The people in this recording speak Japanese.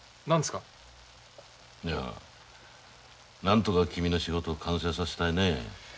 なんとか君の仕事を完成させたいね。